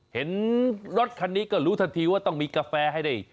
เห็นรถคันนี้ก็รู้ทันทีว่าต้องมีกาแฟให้ได้